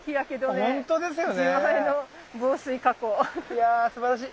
いやすばらしい！